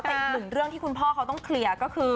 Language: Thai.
แต่อีกหนึ่งเรื่องที่คุณพ่อเขาต้องเคลียร์ก็คือ